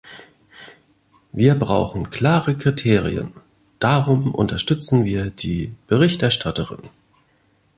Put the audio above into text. Wir brauchen klare Kriterien, darum unterstützen wir die Berichterstatterin.